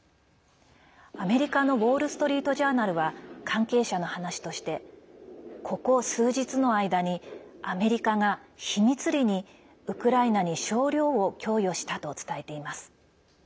アメリカのウォール・ストリート・ジャーナルは関係者の話としてここ数日の間にアメリカが秘密裏にウクライナに少量を供与したと伝えています。